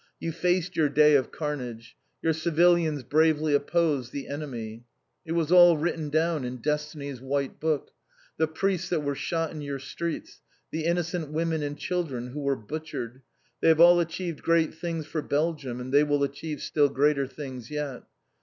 You faced your day of carnage. Your civilians bravely opposed the enemy. It was all written down in Destiny's white book. The priests that were shot in your streets, the innocent women and children who were butchered, they have all achieved great things for Belgium, and they will achieve still greater things yet.